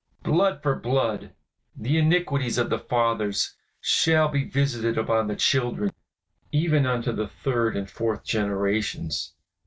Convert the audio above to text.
"Blood for blood! The iniquities of the fathers shall be visited upon the children, even unto the third and fourth generations.